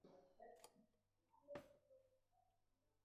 ইতোমধ্যে কাকে পাঠাবে ভাবতে থাক।